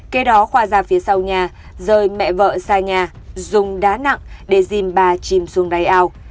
kế đó khoa ra phía sau nhà rời mẹ vợ xa nhà dùng đá nặng để dìm bà chìm xuống đáy ao